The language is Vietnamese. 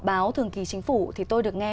báo thường kỳ chính phủ thì tôi được nghe